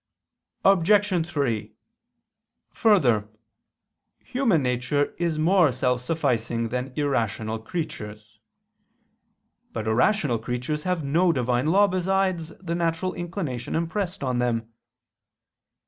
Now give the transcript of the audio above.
Obj. 3: Further, human nature is more self sufficing than irrational creatures. But irrational creatures have no Divine law besides the natural inclination impressed on them.